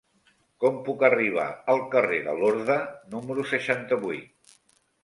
Com puc arribar al carrer de Lorda número seixanta-vuit?